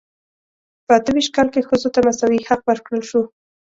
په اته ویشت کال کې ښځو ته مساوي حق ورکړل شو.